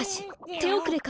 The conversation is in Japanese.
ておくれか？